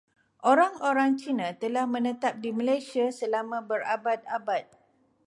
Orang-orang Cina telah menetap di Malaysia selama berabad-abad.